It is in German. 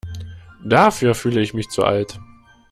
Dafür fühle ich mich zu alt.